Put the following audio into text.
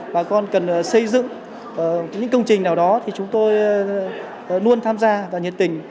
bà con cần xây dựng những công trình nào đó thì chúng tôi luôn tham gia và nhiệt tình